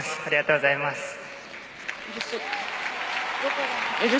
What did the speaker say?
ありがとうございます。